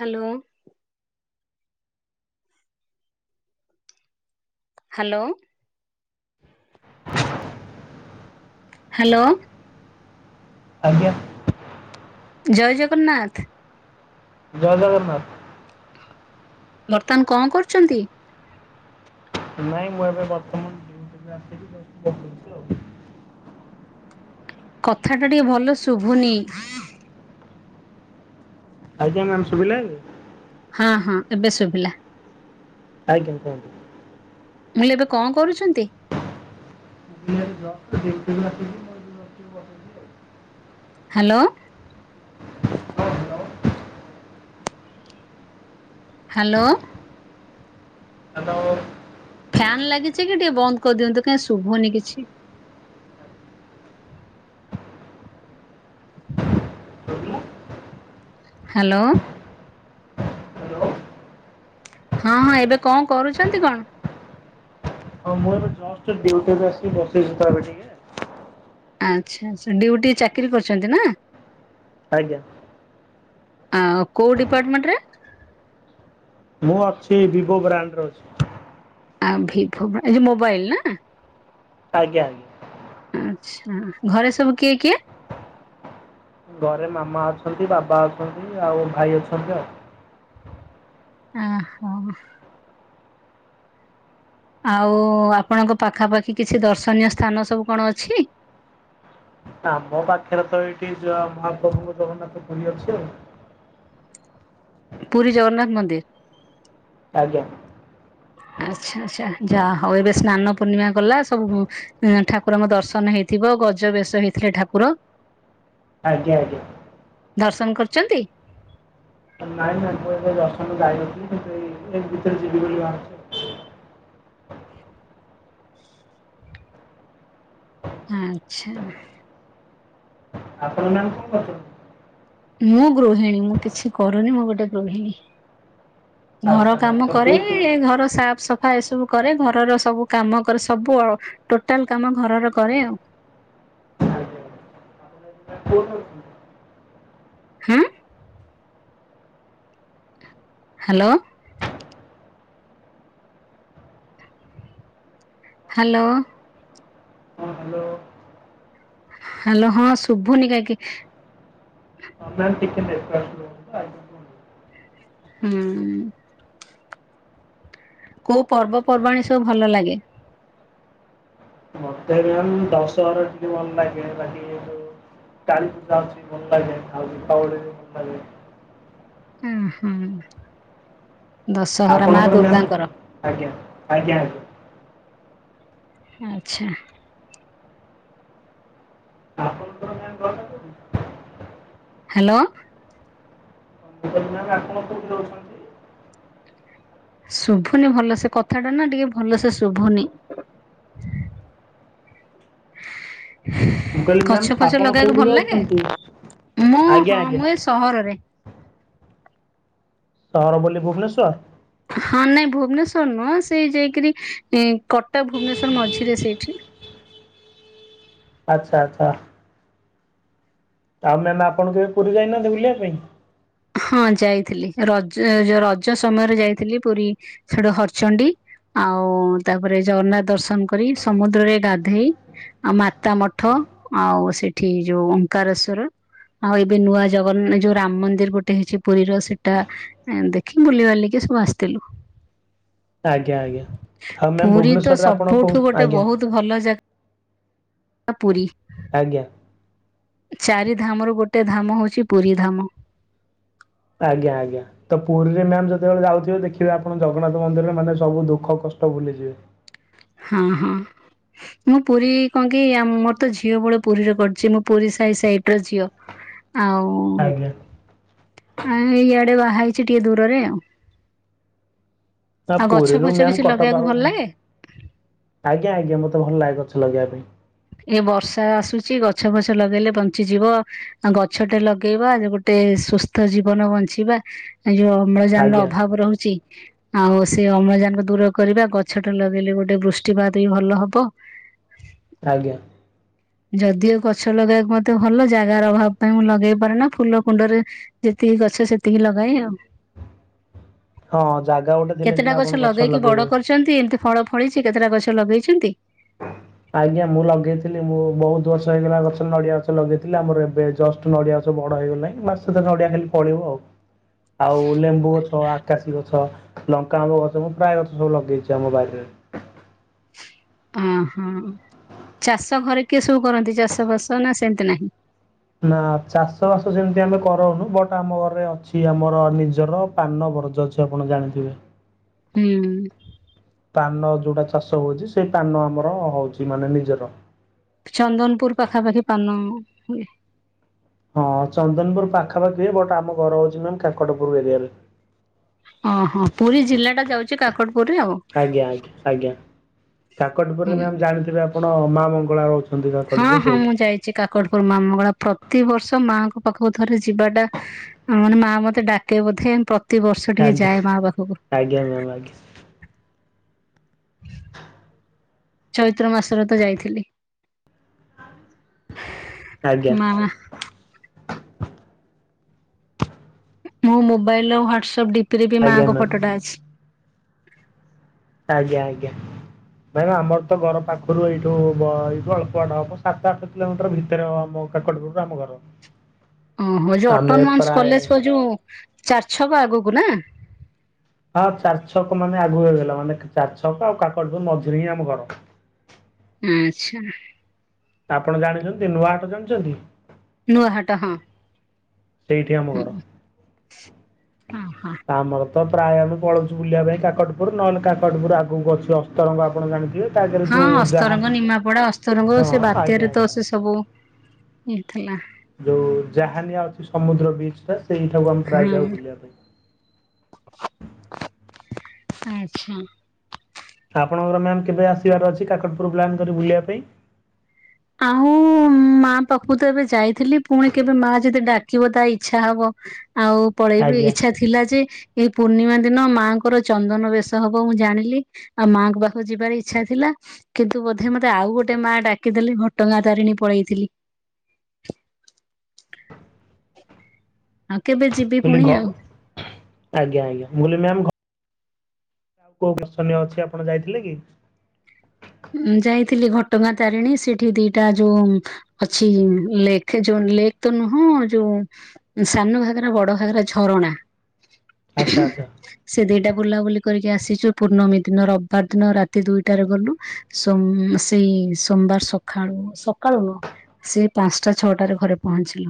Hello. Hello. [unintelligible] Hello. ଆଜ୍ଞା। ଜୟ ଜଗନ୍ନାଥ। ଜୟ ଜଗନ୍ନାଥ। ବର୍ତ୍ତମାନ କଣ କରୁଚନ୍ତି? ନାଇଁ, ମୁଁ ଏବେ ବର୍ତ୍ତମାନ ଡ୍ୟୁଟିରୁ ଆସିକି ଜଷ୍ଟ ବସିଛି ଆଉ। କଥାଟା ଟିକେ ଭଲ ଶୁଭୁନି? ଆଜ୍ଞା, ମ୍ୟାମ୍ ଶୁଭିଲା ଏବେ? ହଁ, ହଁ, ଏବେ ଶୁଭିଲା।। ଆଜ୍ଞା, କୁହନ୍ତୁ? ମୁଁ ଇଲେ ଏବେ କଣ କରୁଛନ୍ତି? ମୁଁ ଏବେ ଜଷ୍ଟ, ଡ୍ୟୁଟି ରୁ ଆସିଲି। ହାଲୋଁ। ହାଲୋଁ। ହ୍ୟାଲୋ। ଫ୍ୟାନ୍ ଲାଗିଛି କି ଟିକେ ବନ୍ଦ କରିଦିଅନ୍ତୁ, କାଇଁ ଶୁଭନି କିଛି? ହାଲୋଁ। ହଁ, ହଁ ଏବେ କଁ କରୁଛନ୍ତି କଣ? ହଁ, ମୁଁ ଏବେ ଜଷ୍ଟ ଡ୍ୟୁଟିରୁ ଆସି ବସିଛି ତ ଏବେ ଟିକେ। ଆଚ୍ଛାଁ, ଛାଁ, ଡ୍ୟୁଟି ଚାକିରି କରିଛନ୍ତି ନା? ଆଜ୍ଞା। ଆଁ କୋଉ ଡିପାର୍ଟମେଣ୍ଟ ରେ? ମୁଁ ଅଛି, ବିଭୋ ବ୍ରାଣ୍ଡରେ ଅଛି। ଆ, ଭିଭୋ ବା, ଏ ଯୋ ମୋବାଇଲ୍ ନା! ଆଜ୍ଞା, ଆଜ୍ଞା। ଆଚ୍ଛାଁ, ଘରେ ସବୁ କିଏ କିଏ? ଘରେ ମାମା ଅଛନ୍ତି, ବାବା ଅଛନ୍ତି, ଆଉ ଭାଇ ଅଛନ୍ତି ଆଉ। ଆ ହଁ। ଆଉ-ଉ ଆପଣଙ୍କ ପାଖାପାଖି କିଛି ଦର୍ଶନୀୟ ସ୍ଥାନ ସବୁ କଣ ଅଛି? ଆମ ପାଖରେ ତ ଏଇଠି ଯ ମହାପ୍ରଭୁଙ୍କ ଜଗନ୍ନାଥ ପୁରୀ ଅଛି ଆଉ। ପୁରୀ ଜଗନ୍ନାଥ ମନ୍ଦିର। ଆଜ୍ଞା। ଆଚ୍ଛା, ଆଚ୍ଛା, ଯାହା ହଉ ଏବେ ସ୍ନାନ ପୂର୍ଣ୍ଣିମା ଗଲା। ସବୁ-ଉ ଏଁ ଠାକୁରଙ୍କ ଦର୍ଶନ ହେଇଥିବ। ଗଜ ବେଶ ହେଇଥିଲେ ଠାକୁର। ଆଜ୍ଞା, ଆଜ୍ଞା। ଦର୍ଶନ କରୁଚନ୍ତି? ନାଇଁ, ନାଇଁ, ମୁଁ ଏବେ ଦର୍ଶନ ଯାଇନଥିଲି। କିନ୍ତୁ ଏଇ ଏଇ ଭିତରେ ଯିବି ବୋଲି ବାହାରିଛି। ଆଁଚ୍ଛା। ଆପଣ ମ୍ୟାମ୍ କଣ କରୁଚନ୍ତି? ମୁଁ ଗୃହିଣୀ। ମୁଁ କିଛି କରୁନି? ମୁଁ ଗୋଟେ ଗୃହିଣୀ। ଘର ଆଚ୍ଛା ମ୍ୟାମ୍ କାମ ତ କେଉଁଠି କରେ-ଏ ଘର ସାଫ୍ ସଫ୍ ଫା ଏ ସବୁ କରେ। ଘରର ସବୁ କାମ କରେ, ସବୁ ଅ ଟୋଟାଲ୍ କାମ ଘରର କରେ ଆଉ। ଏ କୋଓଠି ରହୁଚନ୍ତି? ହୁଁ। ହାଲୋଁ। ହ୍ୟାଲୋଁ। ହଁ, ହ୍ୟାଲୋ। ହ୍ୟାଲୋ ହଁ, ଶୁଭୁନି କାହିଁକି? ହଁ, ମ୍ୟାମ୍ ଟିକେ ନେଟୱାର୍କ ପ୍ରୋ ହୁଁ। କୋଉ ପର୍ବପର୍ବାଣିୀ ସବୁ ଭଲ ଲାଗେ? ମୋତେ [unintelligible] ଦଶହରା ଟିକେ ଭଲ ଲାଗେ ବାକି ଇଏ ଯୋଉ କଳି ପୂଜା ଅଛି ଭଲ ଲାଗେ ଖାଉ ଦୀପାବଳି ଭଲ ଲାଗେ। ହଁ ହୁଁ। ଦଶହରା ମା ଆପଣଙ୍କର ମ୍ୟାମ ଦୁର୍ଗାଙ୍କର ଆଜ୍ଞା ଆଜ୍ଞା ଆଜ୍ଞା। ଆଚ୍ଛା। ଆପଣଙ୍କର ମ୍ୟାମ [unintelligible] ହ୍ୟାଲୋ। ମୁଁ [unintelligible] ଶୁଭୁନି ଭଲ ସେ କଥା ଟା ନା ଟିକେ ଭଲ ସେ ଶୁଭୁନି। ମୁଁ କହିଲି ମ୍ୟାମ୍ ଗଛ ଫଛ ଆପଣ ଲଗେଇକୁ କୋଉଠି ଭଲ ଲାଗେ ରହୁଛନ୍ତି? ମୁଁ ଆଜ୍ଞା ହଁ ଆଜ୍ଞା ମୁଁ ଏ ସହରରେ। ସହର ବୋଲି ଭୁବନେଶ୍ୱର? ହଁ ନାଇଁ ଭୁବନେଶ୍ୱର ନୁହଁ ସେଇ ଯାଇକିରି କଟକ ଭୁବନେଶ୍ୱର ମଝିରେ ସେଇଠି। ଆଚ୍ଛା ଆଚ୍ଛା। ତା ମେ ଆପଣ କେ ଏବେ ପୁରୀ ଯାଇନାହାନ୍ତି ବୁଲିବା ପାଇଁ? ହଁ ଯାଇଥିଲି ରଜ ରଜ ସମୟରେ ଯାଇଥିଲି ପୁରୀ। ସେଠୁ ହରଚଡି ଆଉ ତାପରେ ଜଗନ୍ନାଥ ଦର୍ଶନ କରି ସମୁଦ୍ରରେ ଗାଧେଇ ଆଉ ମାତା ମଠ ଆଉ ସେଠି ଯୋଉ ଓମଙ୍କାରଶ୍ୱର ଆଉ ଏବେ ନୂଆ ଜଗନ୍ନା ଯୋଉ ରାମ ମନ୍ଦିର ଗୋଟେ ଟେ ହେଇଚି ପୁରୀର ସେଇଟା ଦେଖିକି ବୁଲ ବଲିକି ସବୁ ଆସିଥିଲୁ। ଆଜ୍ଞା ଆଜ୍ଞା ହଉ ମ୍ୟାାମ ଭୁବନେଶ୍ୱରରେ ଆପଣ କୋଉ ଆଜ୍ଞା। ବ ଭଲ ଜାଗା ପୁରୀ। ଆଜ୍ଞା। ଚାରି ଧାମ ର ଗୋଟେ ଧାମ ହଉଚି ପୁରୀ ଧାମ। ଆଜ୍ଞା ଆଜ୍ଞା। ତ ପୁରୀରେ ମ୍ୟାମ୍ ଯେତେବେଳେ ଯାଉଥିବେ ଦେଖିବେ ଆପଣ ଜଗନ୍ନାଥ ମନ୍ଦିରରେ ମାନେ ସବୁ ଦୁଃଖ କଷ୍ଟ ଭୁଲିଯିବେ। ହଁ ହଁ। ମୁଁ ପୁରୀ କଣ କି ମୋର ତ ଝିଅ ବୋଳ ପୁରୀରେ କଟିଚି ମୁଁ ପୁରୀ ସା ସାଇଡ ର ଝିଅ। ଆଉ ଆଜ୍ଞା। ଆ ଏଇଆଡେ ବାହାହଇଚି ଟିକେ ଦୂରରେ ଆଉ। ନା ଆଉ ଗଛ ପୁରୀରୁ ଫଛ ମ୍ୟାମ୍ କିଛି କଟକ ଲଗେଇବାକୁ ଭଲ ଆଉ ଲାଗେ ଆଜ୍ଞା ଆଜ୍ଞା ମୋତେ ଭଲ ଲାଗେ ଗଛ ଲଗେଇବା ପାଇଁ। ଏ ବର୍ଷା ଆସୁଚି ଗଛ ଫଛ ଲଗେଇଲେ ବଞ୍ଚିଯିବ। ଆଉ ଗଛ ଟେ ଲଗେଇବା ଗୋଟେ ସୁସ୍ଥ ଜୀବନବଞ୍ଚିବା। ଏ ଯୋଉ ଅମ୍ଳଜାନର ଆଜ୍ଞା ଅଭାବ ରହୁଚି। ଆଉ ସେ ଅମ୍ଳଜାନକୁ ଦୂର କରିବା ଗଛ ଟା ଲଗେଇଲେ ଗୋଟେ ବୃଷ୍ଟିପାତ ବି ଭଲ ହବ। ଆଜ୍ଞା। ଯଦିଓ ଗଛ ଲଗେଇବାକୁ ମତେ ଭଲ ଜାଗାର ଅଭାବ ପାଇଁ ମୁଁ ଲଗେଇ ପାରେ ନା। ଫୁଲ କୁଣ୍ଡରେ ଯେତିକି ଗଛ ସେତିକି ଲଗାଏ ଆଉ। ହଁ ଜାଗା ଗୋଟେ ଥିଲେ ସିନା କେତେଟା ଆପଣ ଗଛ ଲଗେଇକି ଲଗେଇବେ। ବଡ କରୁଚନ୍ତି ଏମତି ଫଳ ଫଳିଚି କେତେଟା ଗଛ ଲଗେଇଚନ୍ତି? ହଁ ଆଜ୍ଞା ମୁଁ ଲଗେଇଥିଲି ମୁଁ ବହୁତ ବର୍ଷ ହେଇଗଲା ଗଛ ନଡିଆ ଗଛ ଲଗେଇଥିଲି ଆମର ଏବେ ଜଷ୍ଟ ନଡିଆ ଗଛ ବଡ ହେଇଗଲାଣି ବାସ ନଡିଆ ଖାଲି ଫଳିବ ଆଉ। [inaudible] ଆଉ ଲେମ୍ବୁ ଗଛ ଆକାଶୀ ଗଛ। ଲଙ୍କା ଆମ୍ବ ଗଛ ମୁଁ ପ୍ରାୟ ଗଛ ସବୁ ଲଗେଇଛି ଆମ ବାରିରେ। ଆଁହଁ ଚାଷ ଘରେ କିଏ ସବୁ କରନ୍ତି ଚାଷ ବାସ ନା ସେମତି ନାହିଁ। ନା ଚାଷ ବାସ ସେମିତି ଆମେ କରଉନୁ ବଟ ଆମ ଘରେ ଅଛି ଆମର ନିଜର ପାନ ବର୍ଜ ଅଛି ଆପଣ ଜାଣିଥିବେ। ହୁଁ। ପାନ ଯୋଉଟା ଚାଷ ହଉଛି ସେଇ ପାନ ଆମର ହଉଛି ମାନେ ନିଜର। ଚନ୍ଦନପୁର ପାଖାପାଖି ପାନ ହୁଏ। ହଁ ଚନ୍ଦନପୁର ପାଖାପାଖି ହୁଏ ବଟ ଆମ ଘର ହଉଛି ମାମ କାକଟପୁର ଏରିଆରେ। ଓହୋ ପୁରୀ ଜିଲ୍ଲାଟା ଯାଉଛି କାକଟପୁରରେ ଆଉ। ଆଜ୍ଞା ଆଜ୍ଞା ଆଜ୍ଞା କାକଟପୁରରେ ହୁଁ ମ୍ୟାାମ ଜାଣିଥିବେ ଆପଣ ମା ମଙ୍ଗଳା ହଉଚି। ହଁ ହଁ ମୁଁ ଯାଇଛି କାକଟପୁର ମାମଙ୍ଗଳା ପ୍ରତିିବର୍ଷ ମାଆଙ୍କ ପାଖକୁ ଥରେ ଯିବାଟା ହଁ ମାନେ ମା ମତେ ଡାକେ ବୋଧେ ପ୍ରତି ବର୍ଷ ଟିକେ ଆଜ୍ଞା ଯାଏ ମା ପାଖକୁ। ଆଜ୍ଞା ମ୍ୟାମ୍ ଆଜ୍ଞା। ଚୈତ୍ର ମାସରେ ତ ଯାଇଥିଲି। ଆଜ୍ଞା। ମା ମୋ ମୋବାଇଲର ଆଉ ହ୍ୱାଟ୍ସଅପ୍ ଡିପିରେ ବି ଆଜ୍ଞା ମାଆଙ୍କ ମ୍ୟାମ୍ ଫଟୋଟା ଅଛି। ଆଜ୍ଞା ଆଜ୍ଞା। ନାଇଁମ ଆମର ତ ଘର ପାଖରୁ ଏଇଠୁ ଏଇଠୁ ଅଳ୍ପ ବାଟ ହବ ସାତ ଆଠ କିଲୋମିଟର ଭିତରେ ହବ। କାକଟପୂରରୁ ଆମଘର। ଓହୋ ଯୋଉ ଅଟନମସ ପ୍ରାୟ କଲେଜ ପ ଯୋଉ ଚାର ଛକ ଆଗକୁ ନା। ହଁ ଚାରି ଛକ ମାନେ ଆଗୁ ହେଇଗଲା ମାନେ ଚାରି ଛକ ଆଉ କାକଟପୂରୁ ମଝିରେ ହିଁ ଆମ ଘର। ଆଚ୍ଛା। ଆପଣ ଜାଣିଛନ୍ତି ନୂଆ ହାଟ ଜାଣିଛନ୍ତି? ନୂଆହାଟ ହଁ। ସେଇଠି ଆମ ହୁଁ ଘର। ହଁ। ହଁ ଆମର ତ ପ୍ରାୟ ଆମେ ପଳଉଛୁ ବୁଲିବା ପାଇଁ କାକଟପୁର ନହେଲେ କାକଟପୁର ଆଗକୁ ଅଛି ଅସ୍ତରଙ୍ଗ ଆପଣ ଜାଣିଥିବେ। ତା ଆଗରେ ହଁ ଯୋଉ ଯାହା ଅସ୍ତରଙ୍ଗ ନିମାପଡା ଅସ୍ତରଙ୍ଗ ହଁ ସେ ଆଜ୍ଞା ବାତ୍ୟାରେ ତ ଆଜ୍ଞା ସେ ସବୁ ଆଜ୍ଞା ଇ ଥିଲା। ଯୋଉ ଜାହାନିଆ ଅଛି ସମୁଦ୍ର ବ୍ରିଜଟା ସେଇଠାକୁ ଆମେ ପ୍ରାୟ ହଁ ଯାାଉ ବୁଲିବା ପାଇଁ। ଆଚ୍ଛା। ଆପଣଙ୍କର ମ୍ୟାମ୍ କେବେ ଆସିବାର ଅଛି କାକଟପୁର ପ୍ଲାନ୍ କରି ବୁଲିବା ପାଇଁ। ଆଉ। ମା ପାଖକୁ ତ ଏବେ ଯାଇଥିଲି ପୁଣି କେବେ ମା ଯଦି ଡାକିବ ତା ଇଚ୍ଛା ହବ ଆଉ ପଳେଇବି ଆଜ୍ଞା ଇଚ୍ଛା ଥିଲା ଯେ ଏଇ ପୂର୍ଣ୍ଣିମା ଦିନ ମାଙ୍କର ଚନ୍ଦନ ବେଶ ହବ ମୁଁ ଜାଣିଲି। ଆଉ ମାଆଙ୍କ ପାଖକୁ ଯିବାର ଇଚ୍ଛା ଥିଲା କିନ୍ତୁ ବୋଧେ ମୋତେ ଆଉ ଗୋଟେ ମା ଡାକିଦେଲେ ଘ ଘଟଗାଁ ତାରିଣୀ ପଳେଇଥିଲି। ଆଉ କେବେ ଯିବି ପୁଣି ଆଉ। ଆଜ୍ଞାଆଜ୍ଞା ମୁଁ କଲିମ୍ୟାମ ଘ ଆଉ କୋଉ ଦର୍ଶନୀୟ ଅଛି ଆପଣ ଯାଇଥିଲେ କି। ଯାଇଥିଲି ଘଟଗାଁ ତାରିଣୀ ସେଠି ଦିଟା ଯୋଉ ଅଛି ଲେକ୍ ଯୋଉ ଲେକ୍ ତ ନୁହଁ ଯୋଉ ସାନ ଘାଗରା ବଡ଼ ଘାଗରା ଝରଣା। ଆଚ୍ଛା ଆଚ୍ଛା। ସେ ଦିଟା ବୁଲାବୁଲି କରିକି ଆସିଚୁ ପୂର୍ଣମୀ ଦିନ ରବିବାର ଦିନ ରାତି ଦୁଇଟାରେ ଗଲୁ। ସୋମ୍ ସେଇ ସୋମବାର ସଖାଳୁ ସକାଳୁ ନୁହଁ। ସେ ପାଞ୍ଚଟା ଛଅଟାରେ ଘରେ ପହଞ୍ଚିଲୁ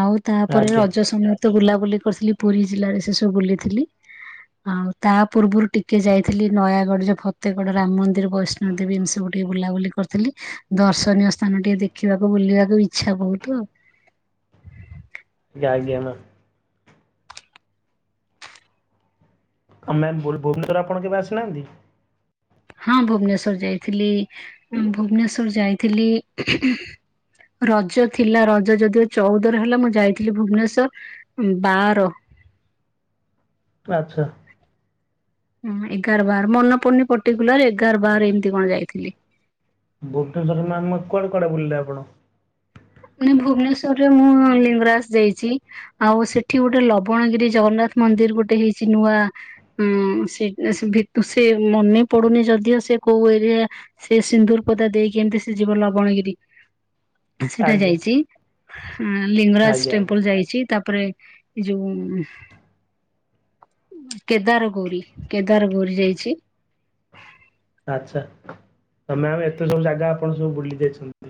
ଆଉ ଆଜ୍ଞା ତାପରେ ରଜ ଆଜ୍ଞା ସମୟ। ତ ବୁଲାବୁଲି କରିଥିଲି ପୁରୀ ଜିଲ୍ଲାରେ ସେ ସବୁ ବୁଲିଥିଲି। ଆଉ ତା ପୂର୍ବରୁ ଟିକେ ଯାଇଥିଲି ନୟାଗଡ ଯୋଉ ଫତେଗଡ ରାମ ମନ୍ଦି ତିରେ ବୈଷ୍ଣୋ ଦେବୀ ଏମି ସବୁ ଟିକେ ବୁଲାବୁଲି କରିଥିଲି ଦର୍ଶନୀୟ ସ୍ଥାନ ଟିକେ ଦେଖିବାକୁ ବୁଲିବାକୁ ଇ ଚ୍ଛା ବହୁତ ଆଉ। ଟିକେ ଆଜ୍ଞା ମ୍ୟାମ। ତମେ ଭୁବ ଭୁବନେଶ୍ୱର ଆପଣ କେବେ ଆସିନାହାନ୍ତି? ହଁ ଭୁବନେଶ୍ବର ଯାଇଥିଲି ଭୁବନେଶ୍ଵର ଯାଇଥିଲି ଉହୁଁ ରଜ ଥିଲା ରଜ ଯଦିଓ ଚଉଦରେ ହେଲା ମୁଁ ଯାଇଥିଲି ଭୁବନେଶ୍ଵର ବାର ଆଛା। ହୁଁ ଏଗାର ବାର ପନେ ପଡୁନି ପର୍ଟିକୁଲାର ଏଗାର ବାର ଏମିତି କଣ ଯାଇଥିଲି। ଭୁବନେଶ୍ୱର ମ୍ୟାାମ କୁଆଡେ କୁଆଡେ ବୁଲିଲେ ଆପଣ? ମାନେ ଭୁବନେଶ୍ୱରରେ ମୁଁ ଲିଙ୍ଗରାଜ ଯାଇଚି। ଆଉ ସେଠି ଗୋଟେ ଲବଣଗିରି ଜଗନ୍ନାଥ ମନ୍ଦିର ଗୋଟେ ହେଇଛି ନୂଆ ହୁଁ ସେ ଭିତୁ ସେ ମନେ ପଡୁନି ଯଦିଓ ସେ କୋଉ ଏରିଆ ସେ ସିନ୍ଦୁର ପଦା ଦେଇକି ଏମିତି ସେ ଯିବ ଲବଣଗିରି। ସେଟା ଆଜ୍ଞା ଯାଇଚି ଲିଙ୍ଗରାଜ ଆଜ୍ଞା ଆଜ୍ଞା ଟେମ୍ପଲ ଯାଇଚି ତାପରେ ଏ ଯୋଉ କେଦାର ଗୌରୀ କେଦାର ଗୌରୀ ଯାଇଛି। ଆଛା ତ ମ୍ୟାମ ଏତେ ସବୁ ଜାଗା ଆପଣ ସବୁ ବୁଲି ଯାଇଛନ୍ତି?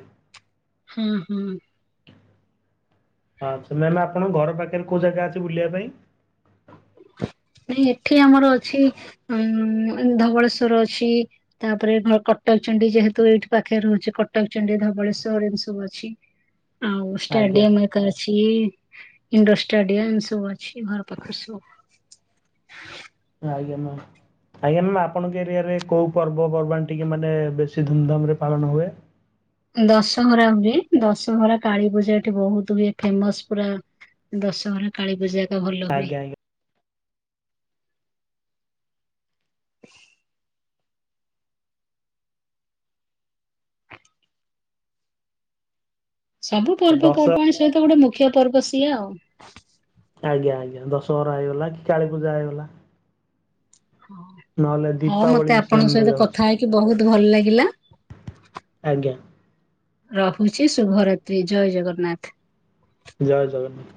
ହଁ ହୁଁ। ଆଛା ମ୍ୟାମ୍ ଆପଣଙ୍କ ଘର ପାଖରେ କୋଉ ଜାଗା ଅଛି ବୁଲିବା ପାଇଁ? ନାଇଁ ଏଠି ଆମର ଅଛି ଉମ ଧବଳେଶ୍ଵର ଅଛି। ତାପରେ ଘ କଟକ ଚଣ୍ଡୀ ଯେହେତୁ ଏଇଠି ପାଖରେ ରହୁଛି କଟକ ଚଣ୍ଡୀ ଧବଳେଶ୍ଵର ଏମତି ସବୁ ଅଛି। ଆଉ ଆଜ୍ଞା ଷ୍ଟାଡିୟମ ଏକରେ ଅଛି ଇଣ୍ଡୋର ଷ୍ଟାଡିୟମ ସବୁ ଅଛି ଘର ପାଖରେ ସବୁ। ଆଜ୍ଞା ମମ୍। ଆଜ୍ଞା ମ୍ୟାମ୍ ଆପଣଙ୍କ ଏରିଆରେ କୋଉ ପର୍ବପର୍ବାଣି ଟିକେ ମାନେ ବେଶୀ ଧୁମଧାମରେ ପାଳନ ହୁଏ। ଦଶହରା ହୁଏ ଦଶହରା କାଳୀ ପୂଜା ଏଠି ବହୁତ ହୁଏ ଫେମସ ପୁରା ଦଶହରା କାଳୀ ପୂଜା ଏକା ଭଲ ହୁଏ। ଆଜ୍ଞା ଆଜ୍ଞା ସବୁ ଦଶ ପର୍ବପର୍ବାଣି ସହିତ ଗୋଟେ ମୁଖ୍ୟ ପର୍ବ ସିଏ ଆଉ। ଆଜ୍ଞା ଆଜ୍ଞା ଦଶହରା ହେଇଗଲା କି କାଳି ପୂଜା ହେଇଗଲା। ନହେଲେ ହଁ ଦୀପାବଳି ମତେ ବି ଆପଣଙ୍କ ସେମ୍ ରେ ସହିତ ଯାଉଛି କଥା ହେଇକି ବହୁତ ଭଲ ଲାଗିଲା। ଆଜ୍ଞା। ରହୁଚି ଶୁଭରାତ୍ରି ଜୟ ଜଗନ୍ନାଥ। ଜୟ ଜଗନ୍ନାଥ।